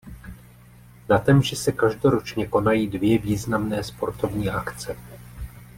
Na Temži se každoročně konají dvě významné sportovní akce.